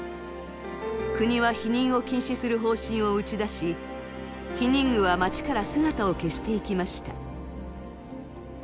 国は避妊を禁止する方針を打ち出し避妊具は街から姿を消していきました。